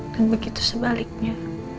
dan begitu sebaliknya